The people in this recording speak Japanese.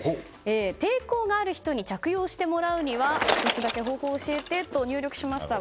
抵抗がある人に着用してもらうには１つだけ方法を教えてと入力しました。